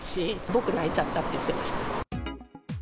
僕泣いちゃったって言ってました。